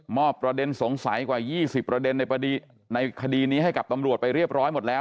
ประเด็นสงสัยกว่า๒๐ประเด็นในคดีนี้ให้กับตำรวจไปเรียบร้อยหมดแล้ว